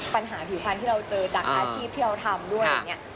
ปัญหาผิวพันธุ์ที่เราเจอจากอาชีพที่เราทำด้วยอย่างนี้